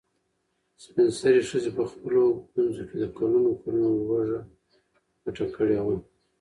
سپین سرې ښځې په خپلو ګونځو کې د کلونو کلونو لوږه پټه کړې وه.